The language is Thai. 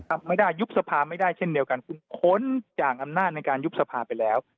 ไม่ได้ยุบสภาไม่ได้เช่นเดียวกันคุณพ้นจากอำนาจในการยุบสภาไปแล้ว